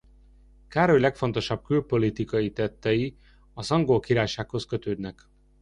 Károly legfontosabb külpolitikai tettei az Angol Királysághoz kötődnek.